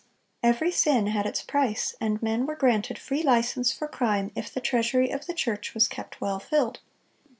Every sin had its price, and men were granted free license for crime, if the treasury of the church was kept well filled.